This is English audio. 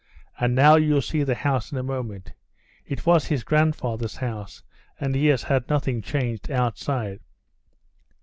And now you'll see the house in a moment. It was his grandfather's house, and he has had nothing changed outside."